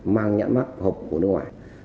mang nhãn mát hộp của nước ngoài